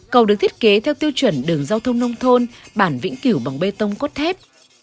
cầu được thiết kế theo tiêu chuẩn đường giao thông nông thôn bản vĩnh cửu bằng bê tông cốt thép